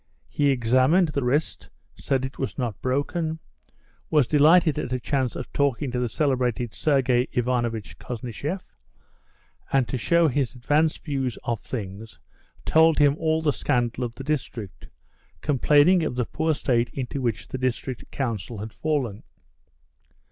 He examined the wrist, said it was not broken, was delighted at a chance of talking to the celebrated Sergey Ivanovitch Koznishev, and to show his advanced views of things told him all the scandal of the district, complaining of the poor state into which the district council had fallen.